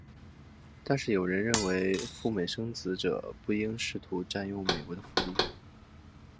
但是有人认为赴美生子者不应试图占用美国的福利。